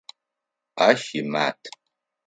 Ащ имат.